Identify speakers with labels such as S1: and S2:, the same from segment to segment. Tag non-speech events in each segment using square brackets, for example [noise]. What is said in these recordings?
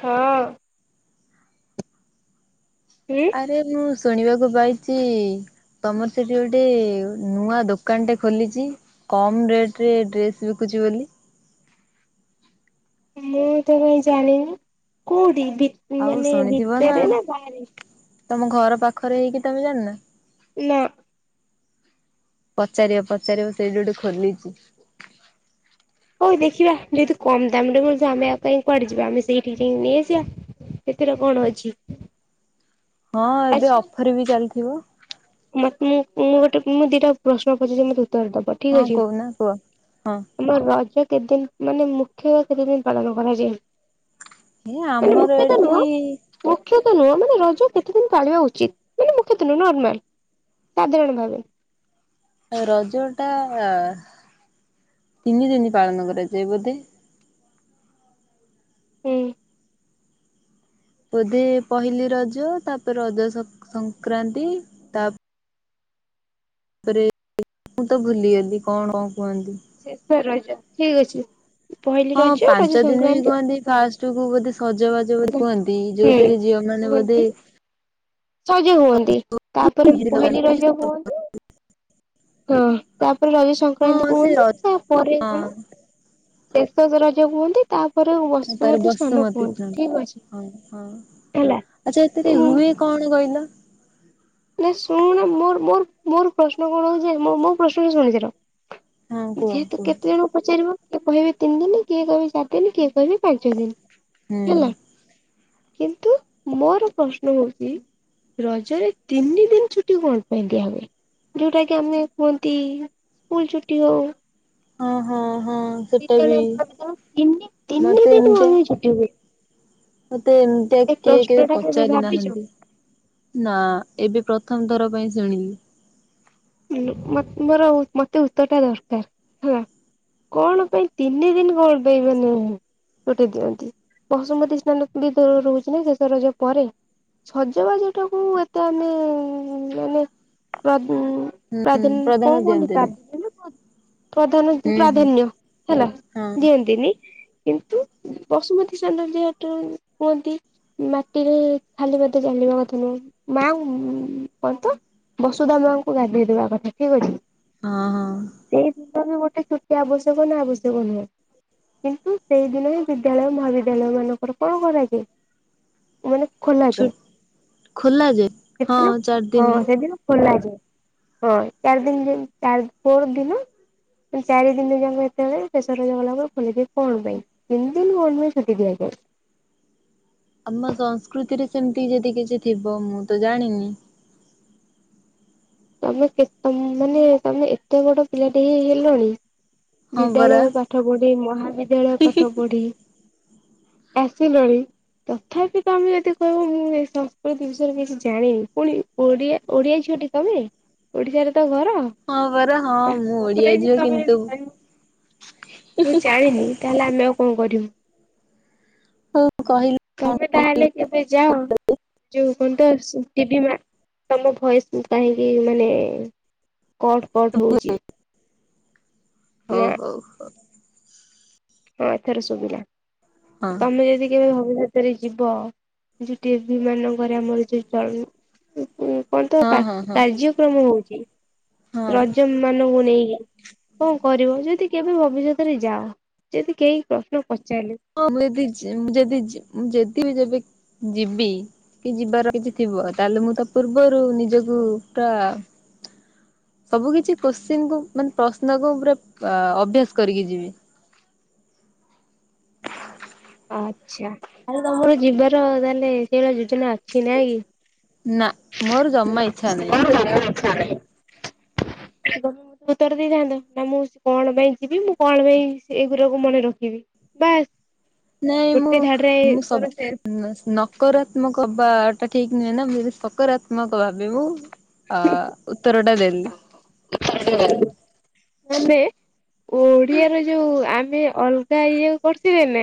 S1: ହଁ, ଉଁ
S2: ଆରେ ମୁଁ ଶୁଣିବାକୁ ପାଇଛି ତମର ସେଠି ଗୋଟେ ନୂଆ ଦୋକାନଟେ ଖୋଲିଛି କମ ରେଟ ରେ ଡ୍ରେସ୍ ବିକୁଛି ବୋଲି।
S1: ମୁଁ ତ କାହିଁ ଜାଣିନି କୋଉଠି ଭି
S2: ଆଉ
S1: ମାନେ
S2: ଶୁଣିଥିବ
S1: ଭିତରେ ନା ବାହାରେ?
S2: ତମ ଘର ପାଖରେ ହେଇକି ତମେ ଜାଣିନ?
S1: ନା
S2: ପଚାରିବ ପଚାରିବ ସେଇଠି ଗୋଟେ ଖୋଳିଛି।
S1: ହଉ ଦେଖିବା ଯେହତୁ କମ ଦାମରେ ମିଳୁଛି ଆମେ ଆଉ କାହିଁ କୁଆଡେ ଯିବା ଆମେ ସେଇଠି ଯାଇ ନେଇଆସିବା ଏଥିରେ କଣ ଅଛି।
S2: ହଁ ଏବେ
S1: ଆଚ୍ଛା
S2: ଅଫର ବି ଚାଲିଥିବ।
S1: ମତେ ମୁଁ ମୁଁ ଗୋଟେ ମୁଁ ଦିଟା ପ୍ରଶ୍ନ ପଚାରୁଛି ତୁମକୁ ଉତ୍ତର ତ ଠିକ
S2: ହଁ
S1: ଅଛି
S2: କହୁନା କୁହ? ହଁ
S1: ଆମ ରଜ କେତେଦିନ ମାନେ ମୁଖ୍ୟତଃ କେତେ ଦିନ ପାଳନ କରାଯାଏ।
S2: ଏ
S1: ତ
S2: ଆମର
S1: ମୁଖ୍ୟତଃ
S2: ଏଠି
S1: ନୁହ ମୁଖ୍ୟତଃ ନୁହ ମାନେ ରଜ କେତେ ଦିନ ପାଳିବା ଉଚିତ ମାନେ ମୁଖ୍ୟତଃ ନୁହ ନର୍ମାଲ। ସାଧାରଣ ଭାବେ
S2: ରଜ ଟା ତିନି ଦିନି ପାଳନ କରାଯାଏ ବୋଧେ
S1: ହୁଁ,
S2: ବୋଧେ ପହିଲି ରଜ ତାପରେ ରଜ ସଂକ୍ରାନ୍ତି ତା ତାପରେ ମୁଁ ତ ଭୁଲିଗଲି କଣ? କୁହନ୍ତି
S1: ସେଇଥିପାଇଁ ର ଠିକ ଅଛି। ପହିଲି
S2: ହଁ
S1: ରଜ ରଜ
S2: ପାଞ୍ଚ ଦିନ ବି
S1: ସଂକ୍ରାନ୍ତି
S2: କୁହନ୍ତି ଫାଷ୍ଟ କୁ ବୋଧେ ସଜବାଜ ବୋଲି
S1: ହୁଁ।
S2: କୁହନ୍ତି ଯୋଉଥିରେ ଝିଅ ମାନେ ବୋଧେ।
S1: ହୁଅନ୍ତି ସଜ ହୁଅନ୍ତି ତାପରେ
S2: ମେହେନ୍ଦି
S1: ପହିଲି
S2: ଲଗାନ୍ତି
S1: ରଜ ହୁଅନ୍ତି। ହଁ ତାପରେ ରଜ ସଂକ୍ରାନ୍ତି
S2: ହଁ ସେ ର
S1: କୁହନ୍ତି ତାପରେ କଣ?
S2: ହଁ
S1: ଶେଷ ରଜ କୁହନ୍ତି। ତାପରେ
S2: ତାର
S1: ବସୁମତୀ ସ୍ନାନ
S2: ବସୁମତୀ
S1: କୁହନ୍ତି
S2: ସ୍ନାନ
S1: ଠିକ ଅଛି
S2: ହ ହ
S1: ହେଲା।
S2: ଆଛା ଏଥିରେ ହୁଏ କଣ କହିଲ।
S1: ନା ଶୁଣ ମୋର ମୋର ମୋର ପ୍ରଶ୍ନ କଣ ହଉଛି ମୋ ପ୍ରଶ୍ନ ଶୁଣିସାର।
S2: ହଁ କୁହ
S1: ଯେହେତୁ
S2: କୁହ
S1: କେତେ ଜଣ ପଚାରିବ କିଏ କହିବେ ତିନି ଦିନ କିଏ କହିବେ ଚାରି ଦିନୀ କିଏ କହିବେ ପାଞ୍ଚ ଦିନୀ।
S2: ହୁଁ
S1: କିନ୍ତୁ? ମୋର ପ୍ରଶ୍ନ ହଉଛି ରଜରେ ତିନି ଦିନ ଛୁଟି କଣ ପାଇଁ ଦିଆ ହୁଏ ଯୋଉଟା କି ଆମେ କୁହନ୍ତି ସ୍କୁଲ ଛୁଟି ହଉ।
S2: ହଁ ହଁ ସେଟା ବି
S1: ବିଦ୍ୟାଳୟବ ତିନି ତିନି
S2: ମତେ
S1: ଦିନ ମମି ଛୁଟି
S2: ତେ ଏମିତିଆ
S1: ସେ
S2: କିଏ କେବେ
S1: ପ୍ରଶ୍ନ ଟା
S2: ପଚାରି
S1: ଭାବିଛୁ?
S2: ନାହାନ୍ତି ନା ଏବେ ପ୍ରଥମ ଥର ପାଇଁ ଜାଣିିନି।
S1: ମୋ ମୋର ମତେ ଉତ୍ତର ଟା ଦରକାର ହେଲା କଣ ପାଇଁ ତିନି ଦିନ କଣ ପାଇଁ ମାନେ ଗୋଟେ ଦିଅନ୍ତି ବସୁମତୀ ସ୍ନାନ ବି ରହୁଛି ନା ଶେଷ ରଜ ପରେ ସଜବାଜଟାକୁ ଏତେ ଆମେ ଏ ମାନେ
S2: ହୁଁ
S1: ପାଦିନ
S2: ପ୍ରଧାନ
S1: କଣ କହନ୍ତି
S2: ଦିଅନ୍ତିନି
S1: ପାଦିନୀ ନା ପ୍ରଧନ
S2: ହୁଁ ହୁଁ
S1: ପ୍ରାଧାନ୍ୟ ହେଲା
S2: ହଁ
S1: ଦିଅନ୍ତିନି। କିନ୍ତୁ ବସୁମତୀ ସ୍ନାନ ଯେହେତୁ କୁହନ୍ତି ମାଟିରେ ଖାଲି ପାଦରେ ଚାଲିବା କଥା ନୁହଁ ମାଙ୍କୁ କୁହ ତ ବସୁଧା ମାଙ୍କୁ ଗାଧେଇ ଗାଧୋଇବା କଥା କିଏ କହିଛି
S2: ହଁ ହଁ
S1: ସେଇ ଦିନ ବି ଗୋଟେ। ଛୁଟି ଆବଶ୍ୟକ ନା ଆବଶ୍ୟକ ନୁହେଁ କିନ୍ତୁ ସେଇଦିନ ହିଁ ବିଦ୍ୟାଳୟ ମହାବିଦ୍ୟାଳୟ ମାନଙ୍କର କଣ କରାଯାଏ। ମାନେ
S2: ଛୁ
S1: ଖୋଲାଯାଏ
S2: ଖୋଲା ଯେ ହଁ
S1: ସେଦିନ
S2: ଚାରି
S1: ହଁ
S2: ଦିନି।
S1: ସେଦିନ ଖୋଲାଯାଏ। [inaudible] ହଁ ଚାରି ଦିନ ଚାରି ପରି ଦିନ ଚାରି ଦିନ ଯାକ ଯେତେବେଳେ ଶେଷ ରଜ ଗଲା ପରେରେ ଖୋଲାଯାଏ କଣ ପାଇଁ ତିନି ଦିନ କଣ ପାଇଁ ଛୁଟି ଦିଆଯାଏ।
S2: ଆମ ସଂସ୍କୃତିରେ ସେମତି ଯଦି କିଛି ଥିବ ମୁଁ ତ ଜାଣିନି।
S1: ତମେ କେତେ ମାନେ ତମେ ଏତେ ବଡ ପିଲାଟେ ହେ ହେଲଣି
S2: ହଁ ପରା
S1: ବିଦ୍ୟାଳୟ ପାଠ ପଢି ମହାବିଦ୍ୟାଳୟ ପାଠ ପଢି ଆସିଲଣି ତଥାପି ତମେ ଯଦି କହିବ ମୁଁ ଏ ସଂସ୍କୃତି ବିଷୟରେ କିଛି ଜାଣିନି ପୁଣି ଓଡ଼ିଆ ଓଡିଆ ଝିଅଟି ତମେ? ଓଡିଶା ରେ ତ ଘର
S2: ହଁ ପରା ହଁ
S1: ତା
S2: ମୁଁ ଓଡିଆ
S1: ପରେ ବି
S2: ଝିଅ
S1: ତମେ
S2: କିନ୍ତୁ
S1: କହିବ ମୁଁ ଜାଣିନି। ତାହେଲେ ଆମେ ଆଉ କଣ କରିବୁ।
S2: ହଉ କହିଲୁ
S1: ତମେ ତାହେଲେ କେବେ ଯାଅ ଯୋଉ କଣନ୍ତ ସୁ ଟିଭି ମା ତମ ଭଏସ କାହିଁକି ମାନେ କଟ କଠ ହଉଛି।
S2: ହଉ
S1: ନା
S2: ହଉ ହ
S1: ହଁ ଏଥର ସୁଭିିଲା
S2: ହଁ
S1: ତମେ ଯଦି କେବେ ଭାବୁଛ। [unintelligible] କଣ ତ
S2: ହଁ ହଁ ହଁ
S1: କାର୍ଯ୍ୟକ୍ରମ ହଉଛି। [unintelligible]
S2: ହଁ।
S1: ରଜନ୍ ମାନଙ୍କୁ ନେଇକି କଣ କରିବ, ଯଦି କେବେ ଭବିଷ୍ୟତରେ ଯାଅ ଯଦି କେହି ପ୍ରଶ୍ନ ପଚାରିଲେ
S2: ହଁ, ଯଦି ଯେ ଯଦି ଯେ ଯଦି ବି ଯେବେ ଯିବି। କି ଯିବାର କିଛି ଥିବ ତାହେଲେ ମୁଁ ତ ପୂର୍ବରୁ ନିଜକୁ ରା ସବୁ କିଛି କ୍ୱଶ୍ଚିନ୍ କୁ ମାନେ ପ୍ରଶ୍ନକୁ ପୁରା ଅଭ୍ୟାସ କରିକି ଯିବି।
S1: ଆଚ୍ଛା। ତାହାଲେ ତମର ଯିବାର ତାହେଲେ ସେଇଭଳିଆ ଯୋଜନା ଅଛି ନାଇଁ କି?
S2: ନା, ମୋର ଜମା ଇଚ୍ଛା ନାହିଁ।
S1: ଚ୍ଛା ନାହିଁ [unintelligible] ଉତ୍ତର ଦେଇଥାନ୍ତ। ନା ମୁଁ କଣ ପାଇଁ ଯିବି ମୁଁ କଣ ପାଇଁ ଏଇଗୁଡାକୁ ମନେ ରଖିବି ବାସ୍।
S2: ନାଇଁ
S1: ଗୋଟେ
S2: ମୁଁ,
S1: ଧାଡରେ
S2: ମୁଁ
S1: ତୋର
S2: ସବ୍
S1: ଶେଷ
S2: ନ ନକରାତ୍ମକ ବା ସେଟା ଠିକ ନୁହେଁ ନା ସକାରାତ୍ମକ ଭାବେ ମୁଁ ଅ ଉତ୍ତର ଟା ଦେ [unintelligible]
S1: [unintelligible] ଆମେ ଓଡିଆର ଯଉ ଆମେ ଅଲଗା ଇଏ କରଥିବେ ନା,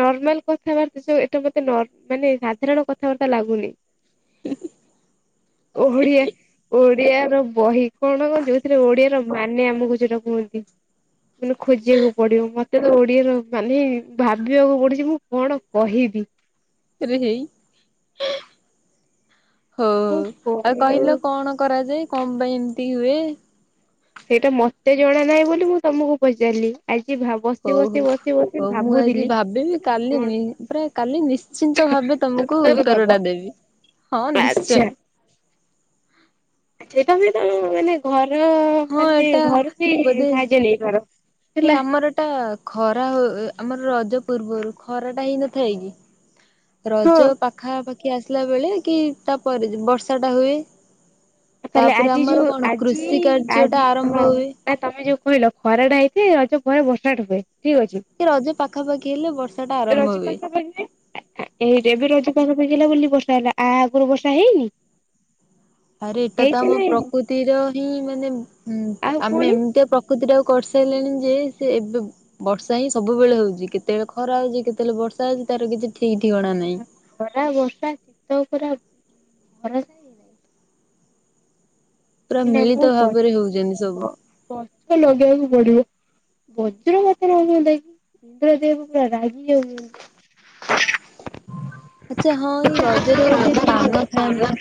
S1: ନର୍ମାଲ କଥାବାର୍ତ୍ତା ଯଉ ଏଟା ମତେ ମାନେ ସାଧାରଣ କଥାବାର୍ତ୍ତା ଲାଗୁନି। ଓଡିଆ ଓଡିଆର ବହି କଣ ହବ ଯଉଥିରେ ଓଡିଆର ମାନେ ଆମକୁ ଯଉଟା କୁହନ୍ତି। ମାନେ ଖୋଜିବାକୁ ପଡିବ ମତେ ତ ଓଡିଆର ମାନେ ଭାବିବାକୁ ପଡୁଚି, ମୁଁ କଣ କହିବି?
S2: ରେ ହେଇ [unintelligible] ହଉ
S1: କଣ
S2: ଆଉ।
S1: କହିବ
S2: କହିଲ କଣ କରାଯାଏ? କଣ ପାଇଁ ଏମିତି ହୁଏ?
S1: ସେଇଟା ମତେ ଜଣା ନାଇଁ ବୋଲି ମୁଁ ତମକୁ ପଚାରିଲି। ଆ
S2: ହଉ ହଉ ହଉ। ମୁଁ ଆଜି ଭାବିବି କାଲି
S1: କଣ
S2: ମି ପୁରା କାଲି ନିଶ୍ଚିନ୍ତ ଭାବେ ତମକୁ ଉତ୍ତର ଟା ଦେବି। ହଁ ନିଶ୍ଚୟ।
S1: ଆଚ୍ଛା ଆଚ୍ଛା। ତମେ ତମ ମାନେ ଘରେ ର
S2: ହଁ
S1: ମାନେ ଘରୁ ବି ସାହାଯ୍ୟ ନେଇପାର।
S2: ସେ
S1: ହେଲା।
S2: ଆମର ଏଟା ଖରା ହୁ ଆମର ର ରଜ ପୂର୍ବରୁ ଖରାଟା ହେଇନଥାଏ କି?
S1: ହଁ।
S2: ରଜ ପାଖାପାଖ- ଆସିଲା ବେଳେ କି ତାପରେ ବର୍ଷା ଟା ହୁଏ।
S1: ତାହେଲେ
S2: ତାପରେ
S1: ଆଜି
S2: ଆମର
S1: ଯଉ
S2: କଣ
S1: ଆଜି
S2: କୃଷି କାର୍ଯ୍ୟ ଟା
S1: ଆଜି
S2: ଆରମ୍ଭ
S1: ହଁ
S2: ହୁଏ।
S1: ନା ତମେ ଯଉ କହିଲ ଖରା ଟା ହେଇଚି। ରଜ ପରେ ବର୍ଷାଟା ହୁଏ। ଠିକ ଅଛି।
S2: କି ରଜ ପାଖାପାଖି ହେଲେ ବର୍ଷା ଟା ଆରମ୍ଭ
S1: ରଜ
S2: ହୁଏ।
S1: ପାଗ ଏହି ଯେବେ ରଜ ପାଗ। ବୁଝିଲ ବୋଲି ବର୍ଷା ହେଲା। ଆ ଆଗରୁ ବର୍ଷା ହେଇନି?
S2: ଆରେ ଏଇଟା ତ
S1: ହେଇଛି
S2: ଆମ
S1: ନା ହେଇନି
S2: ପ୍ରକୃତିର ହିଁ ମାନେ ଉଁ
S1: ଆଉ
S2: ଆମେ
S1: ପୁଣି
S2: ଏମିତିଆ ପ୍ରକୃତି ଟାକ କରିସାରିଲେଣି ଯେ ସେ ଏବେ ବର୍ଷା ହିଁ ସବୁବେଳେ ହଉଚି। କେତେବେଳେ ଖରା ହଉଚି କେତେବେଳେ ବର୍ଷା ହେଉଚି ତାର କିଛି ଠିକ ଠିକଣା ନାହିଁ।
S1: ଖରା, ବର୍ଷା, ଶୀତ ପୁରା ଖରା ଯାଇନାହିଁ।
S2: ପୁରା
S1: ନ ନା
S2: ମିଳିତ
S1: ମୁଁ କହି
S2: ଭାବରେ ହଉଛନ୍ତି ସବୁ।
S1: [unintelligible] ଗଛ ଲଗେଇବାକୁ ପଡିବ। ବଜ୍ର ପାତ ରୁହନ୍ତା କି? ଇନ୍ଦ୍ରଦେବ ପୁରା ରାଗି ଯାଉନ
S2: ଆଚ୍ଛା ହଁ ଏଇ ରଜରେ ବୋଧେ ପାନ ଖାଆନ୍ତି।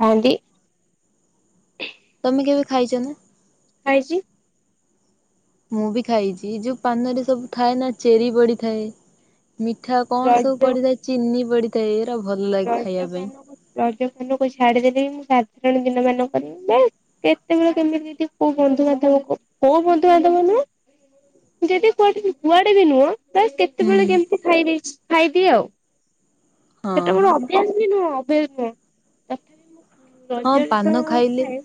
S1: ଖାଆନ୍ତି।
S2: ତମେ କେବେ ଖାଇଛ ନା?
S1: ଖାଇଛି।
S2: ମୁଁ ବି ଖାଇଛି ଯୋଉ ପାନରେ ସବୁ ଥାଏ ନା ଚେରି ପଡିଥାଏ। ମିଠା କଣ ସବୁ ପଡିଥାଏ ଚିନି ପଡିଥା [inaudible]
S1: ରଜ ପାନ ରଜ ପାନକୁ ଛାଡିଦେଲେ ବି ମୁଁ ସା ଦିନ ମାନଙ୍କରେ ବି ବା କେତେବେଳେ କେମିତି ଯଦି କୋଉ ବନ୍ଧୁବାନ୍ଧବ କୋଉ ବନ୍ଧୁବାନ୍ଧବ ନୁହଁ ଯଦି କୁଆଡେ କୁଆଡେ ବି ନୁହଁ ତ କେତେବେଳେ
S2: ହୁଁ
S1: କେମିତି ଖାଇଦେଇଛି ଖାଇଦିଏ ଆଉ।
S2: ହଁ
S1: ସେଟା
S2: ହଁ
S1: ମୋର ଅଭ୍ୟାସ ବି ନୁହଁ। ଅଭ୍ୟାସ ନୁହଁ ତଥାପି ମୁଁ।
S2: ହଁ
S1: ରଜରେ ତ
S2: ପାନ ଖାଇଲେ
S1: ଖାଏ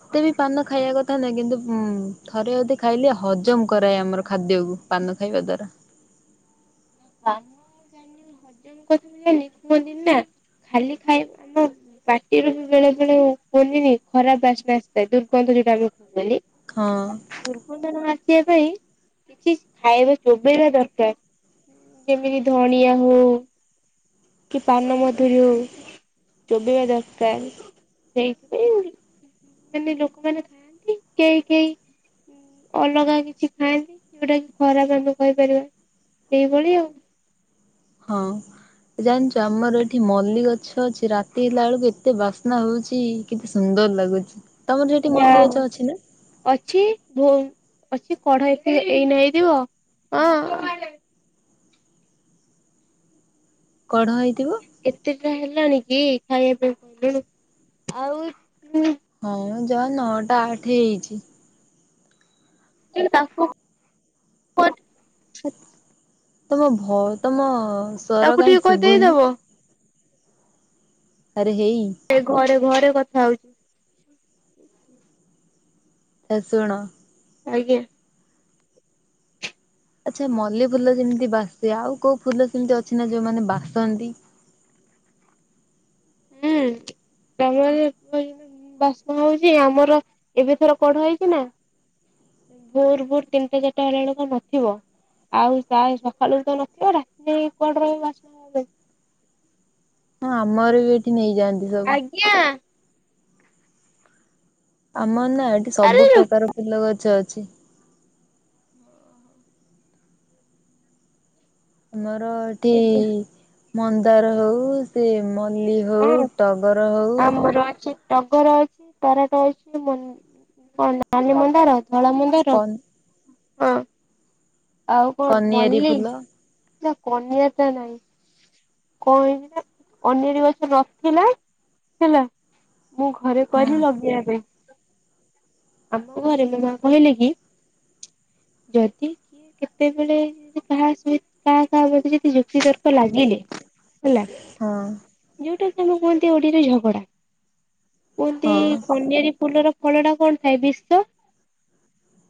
S2: ଏତେ ବି ପାନ ଖାଇବା କଥା ନାହିଁ କିନ୍ତୁ ଥରେ ଅଦେ ଖାଇଲେ ହଜମ କରାଏ ଆମର ଖାଦ୍ୟକୁ ପାନ ଖାଇବା ଦ୍ଵାରା।
S1: ଆମ ଜାଣ ହଜମ କଥାିଲ [unintelligible] ନିର୍ମହନ୍ଦିନ ନା ଖାଲି ଖାଇବା ଆମ ପାଟିରୁ ବି ବେଳେ ବେଳେ କୁହନ୍ତିନି ଖରାପ ବାସ୍ନା ଆସିଥାଏ ଦୁର୍ଗନ୍ଧ ଯୋଉଟା ଆମେ କୁହେ
S2: ହଁ
S1: ଦୁର୍ଗନ୍ଧ ନ ସେ [unintelligible] ପାଇଁ କିଛି ଖାଇବା ଚୋବେଇବା ଦରକାର। ଯେମିତି ଧଣିଆ ହଉ କି ପାନମଧୁରୀ ହଉ ଚୋବେଇ। ବା ଦରକାର ସେଇଥିପାଇଁ ମାନେ ଲୋକମାନେ ଖାଆନ୍ତି କେହି କେହି ଅଲଗା କିଛି ଖାଆନ୍ତି ଯୋଉଟା କି ଖରାପ ଆମେ କହିପାରିବା। ଏଇଭଳି ଆଉ।
S2: ହଁ ଜାଣିଛ ଆମର ଏଠି ମଲ୍ଲ ଗଛ ଅଛି ରାତି ହେଲା ବେଳକୁ ଏତେ ବାସ୍ନା ହଉଛି କେତେ ସୁନ୍ଦର ଲାଗୁଛି। ତମର ସେଠି
S1: ଯାହା
S2: ମଲ୍ଲି
S1: ହଉ
S2: ଗଛ ଅଛି ନା
S1: ଅଛି ଭୁ ଅଛି କଢ ଏତେ ଏଇନା ହେଇଥିବ ହଁ
S2: କଢ ହେଇଥିବ।
S1: [unintelligible] ହେଲାଣି କି ଖାଇବା ପାଇଁ ପାଇଲୁ ଆଉ।
S2: ହଁ ଯାଅ ନଅଟା ଆଠ ହେଇଛି।
S1: [inaudible]
S2: ତମ ବହୁ ତମ ସ୍ଵର
S1: ତାକୁ
S2: କାହିଁ
S1: ଟିକେ
S2: ଶୁଭୁନି।
S1: କହିଦେଇଦବ।
S2: ଆରେ ହେଇ
S1: ଏ ଘରେ ଘରେ କଥା ହଉଛି। [inaudible]
S2: ହେ ଶୁଣ।
S1: ଆଜ୍ଞା।
S2: ଆଚ୍ଛା ମଲ୍ଲି ଫୁଲ ଯେମିତି ବାସେ ଆଉ କୋଉ ଫୁଲ ସେମିତି ଅଛି ନା ଯୋଉମାନେ ବାସନ୍ତି?
S1: ହୁଁ ତମର ବାସ୍ନା ହଉଛି ଆମର ଏବେଥରେ କଢ ହେଇଛି ନା ଭୋର ଭୋର ତିନିଟା ଚାରିଟା ହେଲା ବେଳକୁ ଆଉ ନଥିବ ଆଉ ପ୍ରାୟ ସକାଳୁ ତ ନଥିବ ରାତିରେ କୁଆଡେ ରହିବ ବାସ୍ନା ହବ।
S2: ହଁ ଆମର ବି ଏଠି ନେଇ ଯାଆନ୍ତି ସବୁ।
S1: ଆଜ୍ଞା
S2: ଆମର ନା ନା ଏଠି
S1: ଆରେ
S2: ସବୁ ପ୍ରକାର ଫୁଲ ଗଛ ଅଛି। ଅଛି।
S1: ଓହୋ
S2: ଆମ ଆମର ଏଠି ମନ୍ଦାର ହଉ ସେ ମ ମଲ୍ଲୀ ହଉ
S1: ହଁ
S2: ଟଗର ହଉ
S1: ଆମର ଅଛି ଟଗର ଅଛି ତରାଟ ଅଛି ମ ନାଲି ମନ୍ଦାର ଧଳା ମନ୍ଦାର।
S2: କନ୍
S1: ହଁ ଆଉ କଣ
S2: କନିଆରୀ
S1: ମଲ୍ଲୀ?
S2: ଫୁଲ
S1: ନା କନିଆରୀ ଟା ନାହିଁ କଣ ହେଇଛି ନା କନିଆରୀ ଗଛ ନଥିଲା ହେଲା ମୁଁ ଘରେ
S2: ହଁ
S1: କହିଲି ଲଗେଇବା ପାଇଁ ଆମ ଘରେ ମୋ ମା କହିଲେ କି ଯଦି କିଏ କେତେବେଳେ କାହା କାହା କାହା ଯଦି ଯୁକ୍ତି ତର୍କ ଲାଗିଲେ ହେଲା
S2: ହଁ
S1: ଯୋଉଟା କି ଆମ କୁହନ୍ତି ଓଡ଼ିଆରେ ଝଗଡା। କୁହନ୍ତି
S2: ହଁ
S1: କନିଆରୀ ଫୁଲର କଳଟା କଣ? ଥାଏ ବିଷ।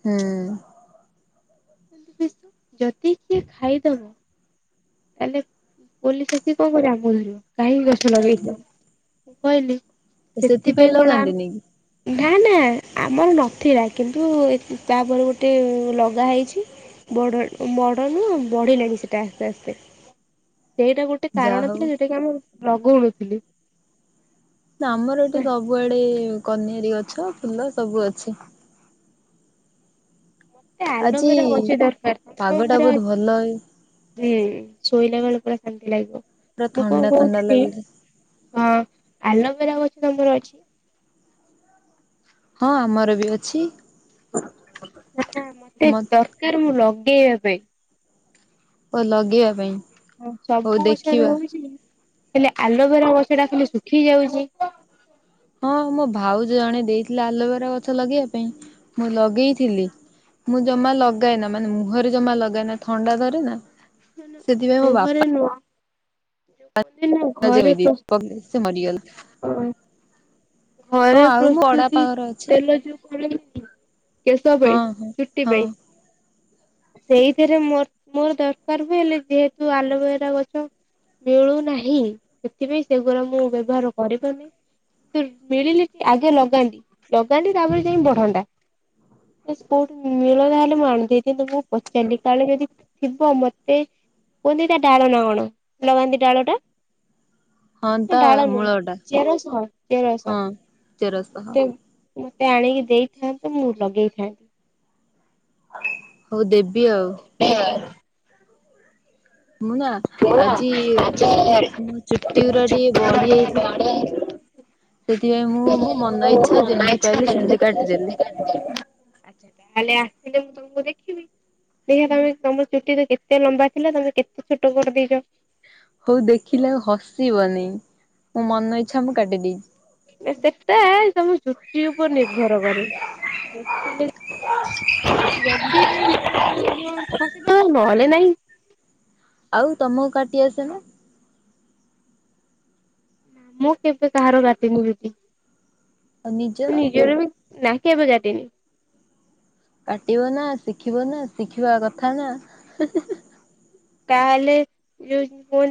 S2: ହୁଁ
S1: ଯଦି କିଏ ଖାଇଦବ ତାହେଲେ ପୋଲିସ ଆସି କଣ କରିବ ଆମକୁ ଧରିବ କାହିଁକି ଗଛ ଲଗେଇଥିଲ ମୁଁ କହିଲି
S2: ସେଥିପାଇଁ
S1: କଣ ଆମେ
S2: ଲଗାନ୍ତିନି କି?
S1: ନା ନା ଆମର ନଥିଲା କିନ୍ତୁ ତାପରେ ଗୋଟେ ଲଗା ହେଇଛି ବଡ଼ ବଡ଼ ନୁହଁ ବଢ଼ିଲାଣି ସେଇଟା ଆସ୍ତେ ଆସ୍ତେ। ସେଇଟା ଗୋଟେ
S2: ଯାହା
S1: କାରଣ ଥିଲା
S2: ହଉ
S1: ଯୋଉଟା କି ଆମର ଲଗଉନଥିଲି।
S2: ନା ଆମର ଏଠି ସବୁଆଡେ କନିଆରୀ ଗଛ ଫୁଲ ସବୁ ଅଛି।
S1: ମତେ
S2: ଆଜି
S1: ଆଲୋଭେରା ଗଛ ଦରକାର
S2: ପାଗ
S1: ତମ
S2: ଟା
S1: ଘରେ
S2: ବହୁତ ଭଲ ହେଇ
S1: ଅଛି ହୁଁ ଶୋଇଲା ବେଳକୁ ପୁରା ଶାନ୍ତି ଲାଗିବ।
S2: ପୁରା
S1: ମୁଁ
S2: ଥଣ୍ଡା
S1: କଣ
S2: ଥଣ୍ଡା
S1: କହୁଥିଲି
S2: ଲାଗୁଛି
S1: ହଁ ଆଲୋଭେରା ଗଛ କିନ୍ତୁ ଆମର ଅଛି।
S2: ହଁ ଆମର ବି ଅଛି।
S1: ମତେ
S2: ମ
S1: ଦରକାର ମୁଁ ଲଗ ଦେବୋଇ
S2: ଓ ଲଗେଇବା ପାଇଁ।
S1: ହ
S2: ହଉ
S1: ସବୁ ଓଛରେ
S2: ଦେଖିବା
S1: ରଉଛି। ହେଲେ ଆଲୋଭେରା ଗଷ ଟା ଖାଲି ଶୁଖି ଯାଉଛି।
S2: ହଁ ମୋ ଭାଉଜ ଜଣେ ଦେଇଥିଲେ ଆଲୋଭେରା ଗଛ ଲଗେଇବା ପାଇଁ ମୁଁ ଲଗେଇଥିଲି ମୁଁ ଜମା ଲଗାଏନା ମାନେ ମୁହଁରେ ଜମା ଲଗାଏନା ଥଣ୍ଡା ଧରେ ନା।
S1: ହୋନ
S2: ସେଥିପାଇଁ ମୋ ବାପା
S1: ମହରେ ନ ନା ଘରେ
S2: ଧୋଇଦେଇ
S1: ହ
S2: ସେ ମରିଗଲା ହଁ
S1: ଘରେ
S2: ଆଉ ମୋ ବଡବାପା
S1: ପ୍ରସ୍ତୁତି
S2: ଘର ଅଛି
S1: ତେଲ ଯୋଉ କରନ କେଶ ପାଇଁ
S2: ହଁ ହଁ
S1: ଚଛୁଟି
S2: ହଁ
S1: ପାଇଁ। ସେଇଥିରେ ମୋ ମୋର ଦରକାର ହୁଏଲେ ଯେହେତୁ ଆଲୋଭେରା ଗଛ ମିଳୁନାହିଁ ସେଥିପାଇଁ ସେଗୁଡା ମୁଁ ବ୍ୟବହାର କରିପାରୁନି। ତୁ ମିଳିଲି ଟିକ ଆଗେ ଲଗାନ୍ତି ଲଗାନ୍ତି ତାପରେ ଯାଇ ବଢନ୍ତା। କୋଉଠି ମିଳ ତାହେଲେ ମୁଁ ଆଣନ୍ତି କିନ୍ତୁ ମୁଁ ପଚାରିଲି କାଳେ ଯଦି ଥିବ ମତେ କୁହନ୍ତି ତା ଡାଳ ନା କଣ ଲଗାନ୍ତି ଡାଳ ଟା।
S2: ହଁ
S1: ନା
S2: ତା
S1: ଡାଳା
S2: ମୂଳ
S1: ନୁହ
S2: ଟା
S1: ଚେର ସହ। ଚେର ସହ।
S2: ହଁ ତେରଶହ
S1: ମତେ ମୋତେ ଆଣିକି ଦେଇଥାନ୍ତୁ ମୁଁ ଲଗେଇଥାନ୍ତି।
S2: [unintelligible] ହଉ ଦେବି ଆଉ। ମୁଁ ନା
S1: ପୁଅ
S2: ଆଜି
S1: ଆଜି
S2: ମୋ ଚୁଟି ଗଡା ଟିକେ ବଢି
S1: ଛୋଟଟେ
S2: ଯାଇଥିଲା
S1: ବଡେ
S2: ସେଥିପାଇଁ ମୁଁ ମୋ ମନ
S1: ମୁଁ
S2: ଇଛା ଯେମିତି
S1: ଅନାଇଛା
S2: ପାଇଲି
S1: ଯେମିତି
S2: ସେମିତି
S1: କହିବ
S2: କାଟିଦେଲି।
S1: ସେମିତି କାଟିଦେବି। ଆଚ୍ଛା ତାହେଲେ ଆସିଲେ ମୁଁ ତମକୁ ଦେଖିବି ଦେଖ ତମେ ତମର ଚୁଟି ତ କେତେ ଲମ୍ବା ଥିଲା ତମେ କେତେ ଛୋଟ କରିଦେଇଛ।
S2: ହଉ ଦେଖିଲେ ଆଉ ହସିବନି ମୋ ମନ ଇଚ୍ଛା ମୁଁ କାଟିଦେଇଛି।
S1: ସେଟା ତମ ଚୁଟି ଉପରେ ନିର୍ଭର କରେ ଦେଖିଲେ [inaudible] ନହେଲେ ନାଇଁ।
S2: ଆଉ ତୁମକୁ କାଟି ଆସେ ନା।
S1: ନା ମୁଁ କେବେ କାହାର କାଟିନି ଦିଦି।
S2: ଆଉ ନିଜର।
S1: ନା କେବେ କାଟିନି।
S2: କାଟିବ ନା ଶିଖିବ ନା ଶିଖିବା କଥା ନା।
S1: ତାହେଲେ ଯଉ